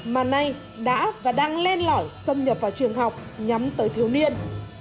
mà nay đã và đang len lỏi xâm nhập vào trường học nhắm tới thiếu niên